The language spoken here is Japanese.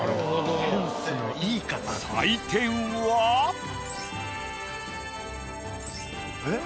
採点は。えっ？